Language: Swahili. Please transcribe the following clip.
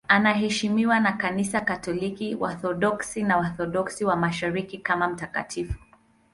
Anaheshimiwa na Kanisa Katoliki, Waorthodoksi na Waorthodoksi wa Mashariki kama mtakatifu.